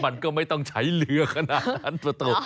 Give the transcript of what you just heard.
มันก็ไม่ต้องใช้เรือกน่ะถูก